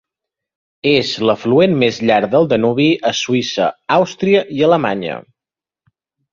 És l'afluent més llarg del Danubi a Suïssa, Àustria i Alemanya.